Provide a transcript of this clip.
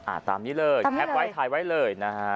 ตามนี้เลยแคปไว้ถ่ายไว้เลยนะฮะ